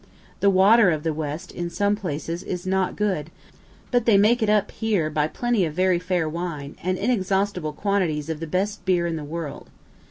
The water of the west, in some places, is not good, but they make it up here by plenty of very fair wine, and inexhaustible quantities of the best beer in the world.